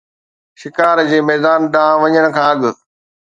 شڪار جي ميدان ڏانهن وڃڻ کان اڳ